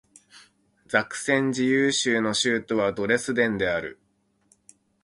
ザクセン自由州の州都はドレスデンである